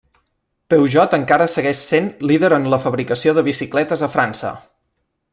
Peugeot encara segueix sent líder en la fabricació de bicicletes a França.